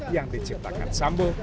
yang diciptakan sambu